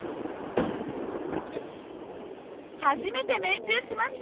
初めて命中しました。